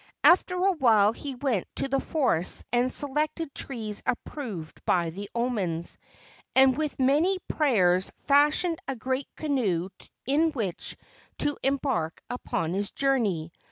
After a while he went to the forests and selected trees approved by the omens, and with many prayers fashioned a great canoe in which to em¬ bark upon his journey.